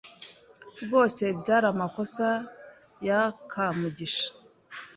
Rwose byari amakosa ya Kamugisha.